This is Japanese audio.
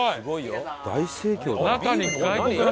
大盛況だな。